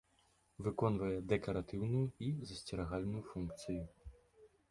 Выконвае дэкаратыўную і засцерагальную функцыі.